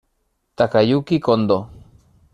Takayuki Kondo